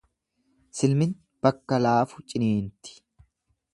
Silmin bakka laafu ciniinti.